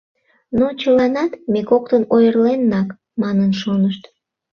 Но чыланат, ме коктын ойырленнак, манын шонышт”.